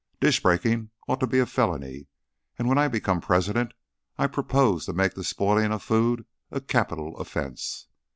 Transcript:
Dish breaking ought to be a felony, and when I become President I propose to make the spoiling of food a capital offense.